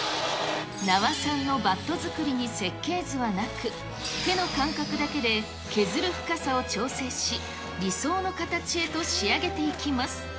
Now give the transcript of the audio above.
名和さんのバット作りに設計図はなく、手の感覚だけで、削る深さを調整し、理想の形へと仕上げていきます。